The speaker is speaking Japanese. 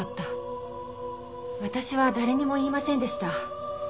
私は誰にも言いませんでした。